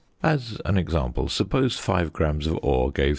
As an example, suppose 5 grams of ore gave 3.